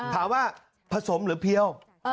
ถามว่าผสมหรือเพียว